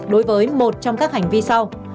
đối với một trong các hành vi sau